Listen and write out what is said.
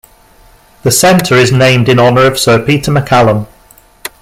The Centre is named in honour of Sir Peter MacCallum.